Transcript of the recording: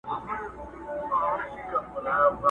چي په تېغ کوي څوک لوبي همېشه به زخمي وینه!!